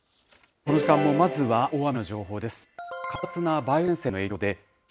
この時間もまずは大雨の情報です。